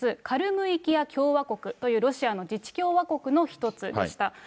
カルムイキア共和国というロシアの自治共和国の一つでした。